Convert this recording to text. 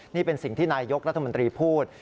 นี่เป็นสิ่งที่นายยกรัฐมนตรีพูด